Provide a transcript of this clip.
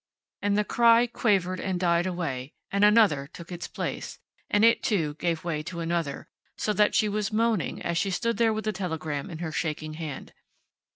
And the cry quavered and died away, and another took its place, and it, too, gave way to another, so that she was moaning as she stood there with the telegram in her shaking hand.